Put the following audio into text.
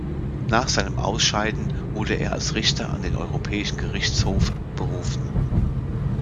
Nach seinem Ausscheiden wurde er als Richter an den Europäischen Gerichtshof berufen.